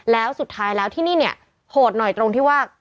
แล้วสุดท้ายแล้วที่นี่เนี่ยโหดหน่อยตรงที่ว่า